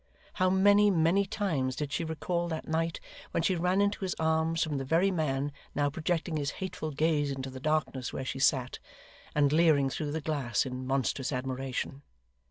How many, many times, did she recall that night when she ran into his arms from the very man now projecting his hateful gaze into the darkness where she sat, and leering through the glass in monstrous admiration!